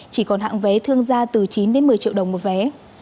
chỉ còn hạng vé thương ra từ chín đến một mươi triệu đồng một vé